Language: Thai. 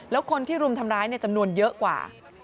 แล้วคนที่รุมทำร้ายจำนวนเยอะกว่า